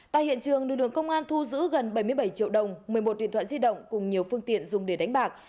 tại hiện trường lực lượng công an thu giữ gần bảy mươi bảy triệu đồng một mươi một điện thoại di động cùng nhiều phương tiện dùng để đánh bạc